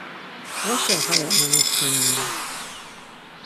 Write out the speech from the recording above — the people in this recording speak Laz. Vaşa haya nana-skani on!